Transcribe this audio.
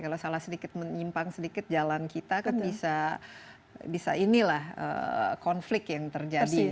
kalau salah sedikit menyimpang sedikit jalan kita kan bisa inilah konflik yang terjadi